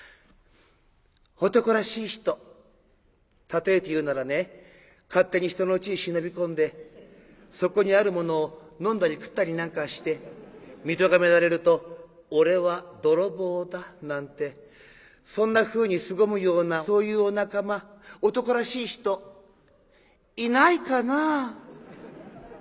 例えて言うならね勝手に人のうちへ忍び込んでそこにあるものを飲んだり食ったりなんかして見とがめられると『俺は泥棒だ』なんてそんなふうにすごむようなそういうお仲間男らしい人いないかなあ？」。